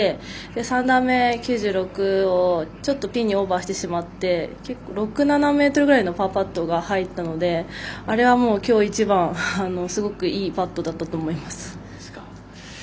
３段目、９６をちょっとオーバーしてしまって結構、６７ｍぐらいのパーパットが入ったので、あれは、きょう一番すごくいいパットだったと思います。